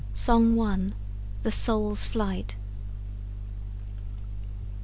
SONG I. THE SOUL'S FLIGHT.